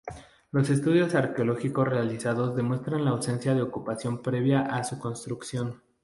Los estudios arqueológicos realizados demuestran la ausencia de ocupación previa a su construcción.